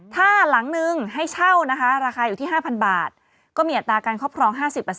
ถ้าหลังนึงให้เช่านะคะราคาอยู่ที่๕๐๐บาทก็มีอัตราการครอบครอง๕๐